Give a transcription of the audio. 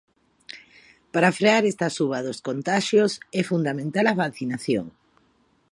Para frear esta suba dos contaxios é fundamental a vacinación.